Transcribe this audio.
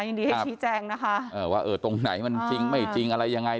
ยินดีให้ชี้แจงนะคะว่าเออตรงไหนมันจริงไม่จริงอะไรยังไง